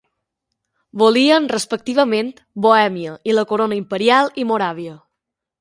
Volien, respectivament, Bohèmia i la Corona imperial i Moràvia.